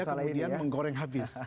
dan media kemudian menggoreng habis